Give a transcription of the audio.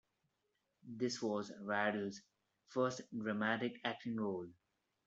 This was Rydell's first dramatic acting role.